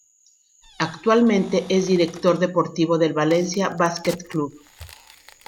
Actualmente es director deportivo del Valencia Basket Club.